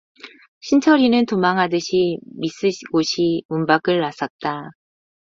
신철이는 도망하듯이 미쓰고시 문 밖을 나섰다.